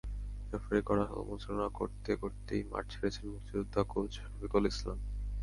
রেফারির কড়া সমালোচনা করতে করতেই মাঠ ছেড়েছেন মুক্তিযোদ্ধা কোচ শফিকুল ইসলাম।